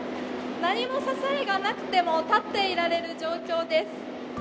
何も支えがなくても立っていられる状況です。